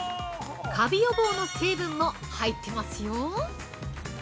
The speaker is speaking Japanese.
カビ予防の成分も入っていますよ。